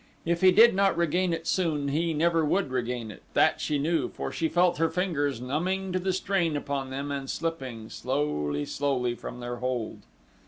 If he did not regain it soon he never would regain it, that she knew, for she felt her fingers numbing to the strain upon them and slipping, slowly, slowly, from their hold.